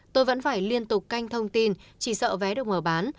tôi vẫn phải liên tục canh thông tin chỉ sợ vé được mở bán